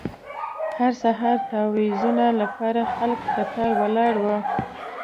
هر سهار د تاویزونو لپاره خلک کتار ولاړ وو.